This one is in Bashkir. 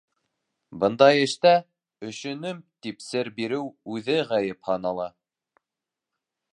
Бындай эштә, өшөнөм, тип сер биреү үҙе ғәйеп һанала.